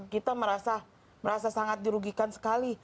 kita merasa sangat dirugikan sekali